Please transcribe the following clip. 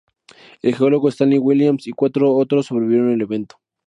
El geólogo Stanley Williams y cuatro otros sobrevivieron el evento.